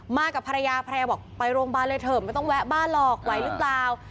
กับภรรยาภรรยาบอกไปโรงพยาบาลเลยเถอะไม่ต้องแวะบ้านหรอกไหวหรือเปล่า